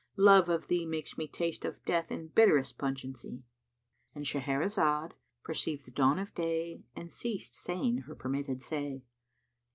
* Love of thee makes me taste of death in bitterest pungency." —And Shahrazad perceived the dawn of day and ceased saying her permitted say.